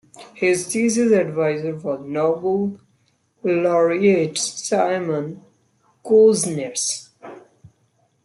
His thesis adviser was Nobel Laureate Simon Kuznets.